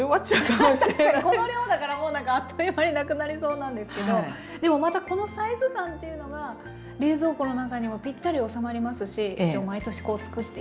確かにこの量だからあっという間になくなりそうなんですけどでもまたこのサイズ感っていうのが冷蔵庫の中にもぴったり収まりますし一応毎年作っていけるなっていう気持ちがしました。